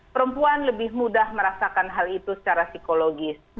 perempuan lebih mudah merasakan hal itu secara psikologis